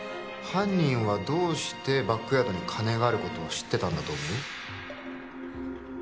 犯人はどうしてバックヤードに金があることを知ってたんだと思う？